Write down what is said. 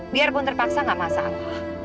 biar pun terpaksa gak masalah